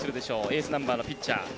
エースナンバーのピッチャー